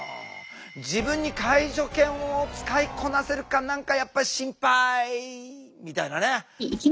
自分に介助犬を使いこなせるか何かやっぱりしんぱいみたいなね。